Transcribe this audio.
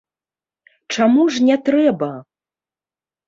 Чаму ж не трэба?